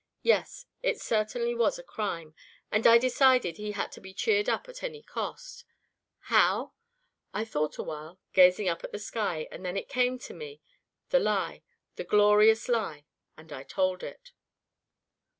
Yes, it certainly was a crime, and I decided he had to be cheered up at any cost. How? I thought a while, gazing up at the sky, and then it came to me the lie the great glorious lie and I told it."